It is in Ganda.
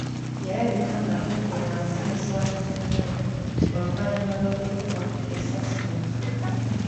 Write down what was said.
Yalabika ng’agudde wansi n’essowaani z’emmere oluvannyuma lw’okukubwa essasi mu mutwe.